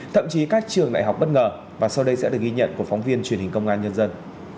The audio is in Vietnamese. thậm chí các trường đại học bất ngờ và sau đây sẽ được ghi nhận của phóng viên truyền hình công an nhân dân